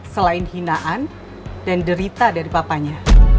selain hinaan dan derita dari papanya